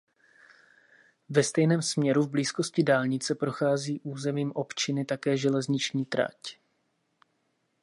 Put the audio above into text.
Ve stejném směru v blízkosti dálnice prochází územím občiny také železniční trať.